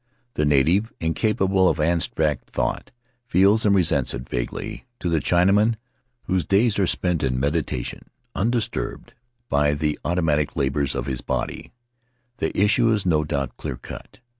The native, incapable of abstract thought, feels and resents it vaguely; to the Chinaman, whose days are spent in meditation undisturbed by the automatic labors of his body, the issue is no doubt clear cut.